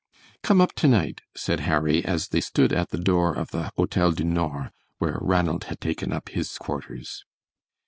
"Come up to night," said Harry, as they stood at the door of the Hotel du Nord, where Ranald had taken up his quarters.